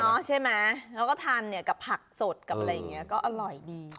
ไม่รู้เนอะใช่ไหมแล้วก็ทานกับผักสดกับอะไรอย่างนี้ก็อร่อยดี